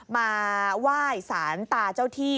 มาไหว้สารตาเจ้าที่